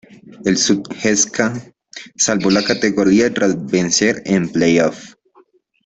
El Sutjeska salvó la categoría tras vencer en el playoff.